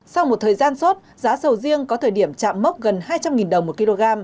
sau một thời gian sốt giá sầu riêng có thời điểm chạm mốc gần hai trăm linh đồng một kg